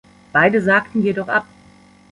Beide sagten jedoch ab.